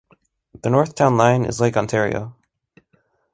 The north town line is Lake Ontario.